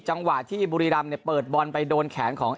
จังหวะที่บุรีรำเนี่ยเปิดบอลไปโดนแขนของ